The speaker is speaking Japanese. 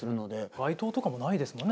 街灯とかもないですもんね